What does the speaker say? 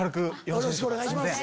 よろしくお願いします。